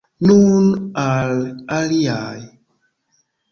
Nun al aliaj!